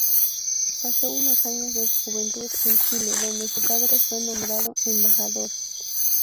Pasó unos años de su juventud en Chile, donde su padre fue nombrado embajador.